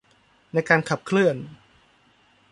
ในการขับเคลื่อน